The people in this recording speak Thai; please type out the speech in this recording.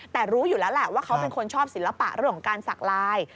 แต่รู้อยู่แล้วแหละว่าเขาเป็นคนชอบศิลปะเรื่องของการสักลาย